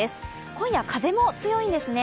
今夜、風も強いんですね。